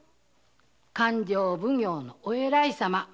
勘定奉行のお偉い様